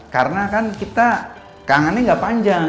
karena kan kita tangannya gak panjang